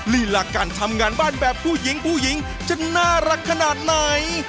ลีลาการทำงานบ้านแบบผู้หญิงผู้หญิงจะน่ารักขนาดไหน